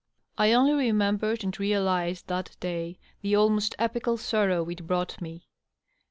I only remembered and realized, that day, the almost epical sorrow it brought me.